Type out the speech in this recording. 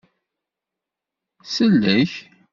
Sellek.